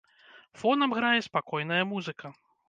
Фонам грае спакойная музыка.